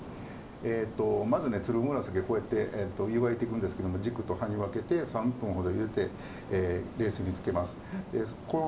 まず、つるむらさき湯がいていくんですけど軸と葉に分けて３分ほどゆでて冷水につけます。